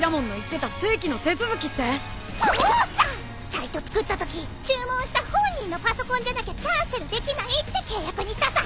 サイト作ったとき注文した本人のパソコンじゃなきゃキャンセルできないって契約にしたさ。